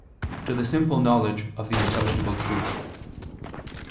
to the simple knowledge of the intelligible truth.